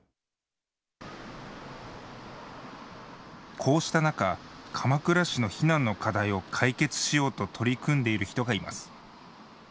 こうした中、鎌倉市の避難の課題を解決しようと取り組んでいる人がいます。